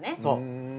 そう。